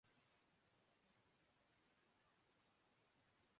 شاید کوئی محرم ملے ویرانئ دل کا